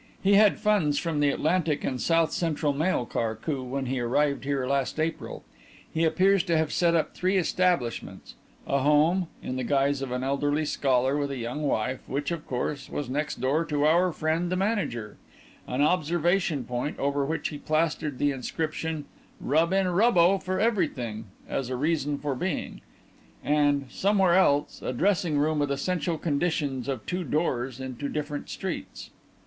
He had funds from the Atlantic and South Central Mail car coup when he arrived here last April. He appears to have set up three establishments; a home, in the guise of an elderly scholar with a young wife, which, of course, was next door to our friend the manager; an observation point, over which he plastered the inscription 'Rub in Rubbo for Everything' as a reason for being; and, somewhere else, a dressing room with essential conditions of two doors into different streets.